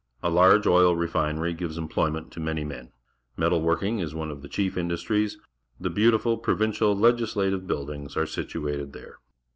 A large oil refinery gives emploj'ment to many men. Metal working is one of the chief industries. The beautiful Proiancial Legislative Buil dings are situated there.